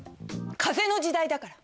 風の時代だから。